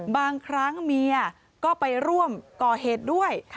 บางครั้งเมียก็ไปร่วมก่อเหตุด้วย